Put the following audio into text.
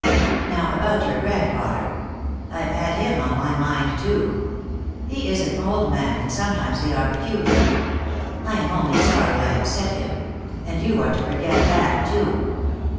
Now about your grandfather. I've had him on my mind, too. He is an old man, and sometimes they are peculiar. I am only sorry I upset him. And you are to forget that, too."